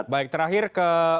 baik terakhir ke